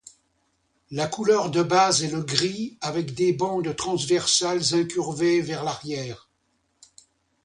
La couleur de base est le gris, avec des bandes transversales incurvées vers l'arrière.